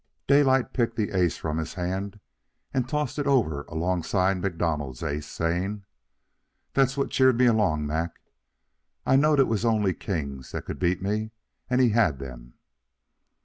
Daylight picked the ace from his hand and tossed it over alongside MacDonald's ace, saying: "That's what cheered me along, Mac. I knowed it was only kings that could beat me, and he had them.